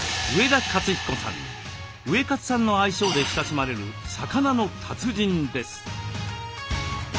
ウエカツさんの愛称で親しまれる魚の達人です。